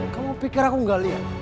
kamu pikir aku gak liat